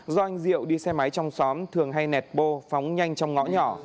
do anh diệu đi xe máy trong xóm thường hay nẹt bô phóng nhanh trong ngõ nhỏ